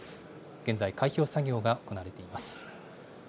現在、開票作業が行われています。